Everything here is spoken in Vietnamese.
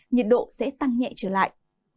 nhiệt độ sẽ tăng nhẹ trở lại